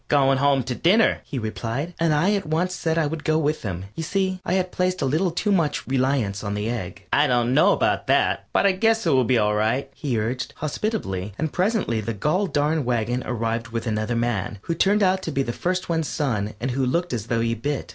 "Goin' home to dinner," he replied, and I at once said I would go with him. You see, I had placed a little too much reliance on the egg. "I dunno about that, but I guess it will be all right," he urged, hospitably, and presently the goll darned wagon arrived with another man, who turned out to be the first one's son and who looked as though he bit.